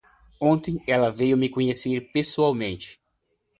Ontem ela veio me conhecer pessoalmente.